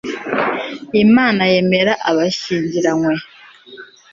imana yemera ko abashyingiranywe